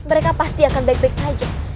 mereka pasti akan baik baik saja